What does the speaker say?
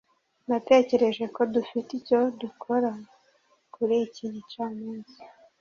Natekereje ko dufite icyo dukora kuri iki gicamunsi.